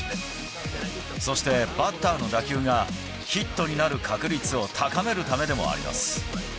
そして、バッターの打球がヒットになる確率を高めるためでもあります。